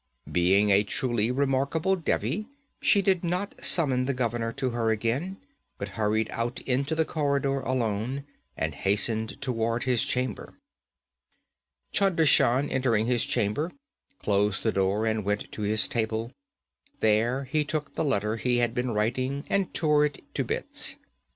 Being a truly remarkable Devi, she did not summon the governor to her again, but hurried out into the corridor alone, and hastened toward his chamber. Chunder Shan, entering his chamber, closed the door and went to his table. There he took the letter he had been writing and tore it to bits.